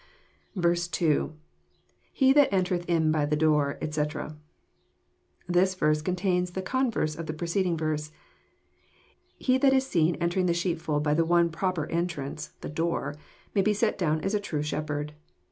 2. — IHe that entereth in by the door, etcJ] This verse contains the converse of the preceding verse. He that is seen entering the sheepfold by the one proper entrance, the door, may be set down as a true shepherd.